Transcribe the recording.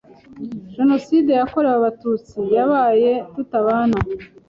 Jenoside yakorewe Abatutsi yabaye tutabana